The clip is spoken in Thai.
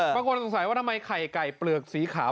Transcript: บางคนสงสัยว่าทำไมไข่ไก่เปลือกสีขาว